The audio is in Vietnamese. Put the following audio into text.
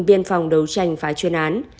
biên phòng đấu tranh phá chuyên án